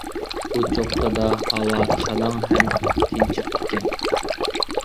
بۇ چوققىدا ھاۋا شالاڭ ھەم تىنچىق ئىكەن.